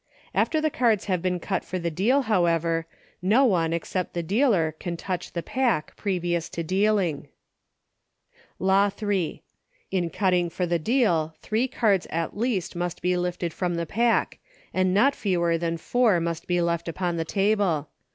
After the cards have been cut for the deal, however, no one, except the dealer, can touch the pack previous to dealing Law III. In cutting for the deal, three cards at least must be lifted from the pack, and not fewer than four must be left upon the table.